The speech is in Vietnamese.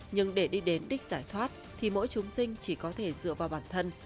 nhưng để đi đến đích giải thoát thì mỗi chúng sinh chỉ có thể dựa vào bản thân